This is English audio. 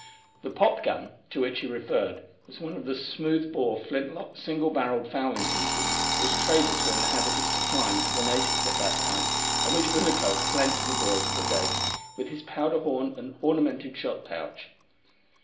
The "popgun" to which he referred was one of the smooth bore flint lock single barrelled fowling pieces which traders were in the habit of supplying to the natives at that time, and which Unaco had lent to the boy for the day, with his powder horn and ornamented shot pouch.